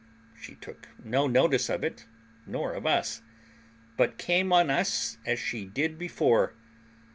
She took no notice of it, nor of us, but came on just as she did before.